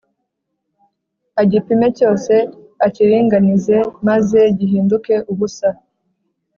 agipime cyose akiringanize, maze gihinduke ubusa.